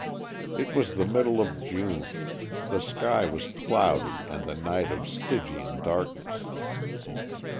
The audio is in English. It was the middle of June; the sky was cloudy and the night of Stygian darkness.